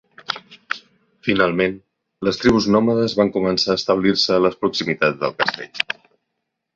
Finalment, les tribus nòmades van començar a establir-se a les proximitats del castell.